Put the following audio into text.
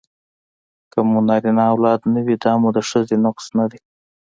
که مو نرینه اولاد نه وي دا مو د ښځې نقص نه دی